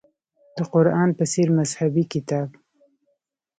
د قران په څېر مذهبي کتاب.